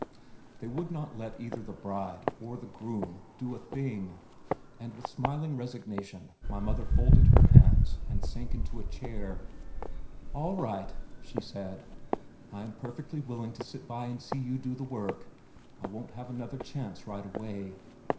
They would not let either the "bride" or the "groom" do a thing, and with smiling resignation my mother folded her hands and sank into a chair. "All right," she said. "I am perfectly willing to sit by and see you do the work. I won't have another chance right away."